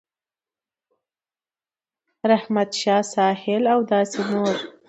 رحمت شاه ساحل او داسې نور